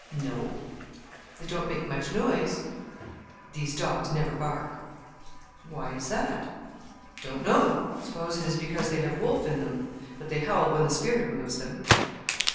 "No." "They don't make much noise." "These dogs never bark." "Why is that?" "Don't know; suppose it is because they have wolf in them; but they howl when the spirit moves them."